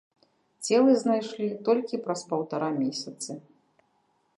Целы знайшлі толькі праз паўтара месяцы.